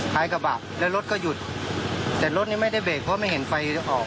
ท้ายกระบะแล้วรถก็หยุดแต่รถนี้ไม่ได้เบรกเพราะไม่เห็นไฟออก